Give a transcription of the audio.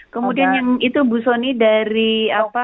kemudian yang itu bu soni dari apa